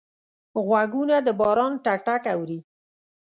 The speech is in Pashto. غوږونه د باران ټک ټک اوري